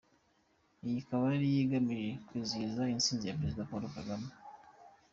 Iyi ikaba yari igamije kwizihiza intsinzi ya Parezida Paul Kagame.